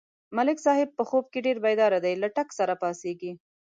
ملک صاحب په خوب کې ډېر بیداره دی، له ټک سره پا څېږي.